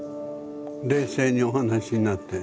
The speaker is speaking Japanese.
冷静にお話しになって。